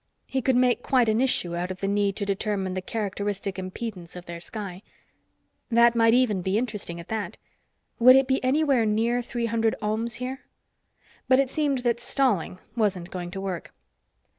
He could make quite an issue out of the need to determine the characteristic impedance of their sky. That might even be interesting, at that; would it be anywhere near 300 ohms here? But it seemed that stalling wasn't going to work.